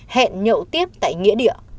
hẹn nhậu tiếp tại nghĩa địa